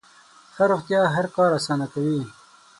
ښه روغتیا هر کار اسانه کوي.